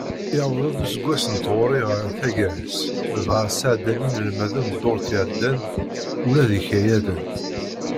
Yewweḍ-d useggas n tɣuri ɣer taggara-s, dɣa sεeddan yinelmaden ddurt iεeddan ula d ikayaden.